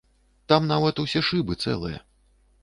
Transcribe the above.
Там нават усе шыбы цэлыя.